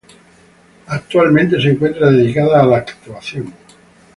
Actualmente se encuentra dedicada a la actuación.